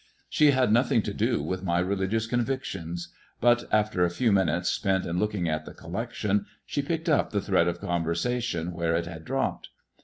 She had nothing to do with my religious convictions. But, after a few minutes spent in looking at the collection, she picked up the thread of conversation where it had dropped.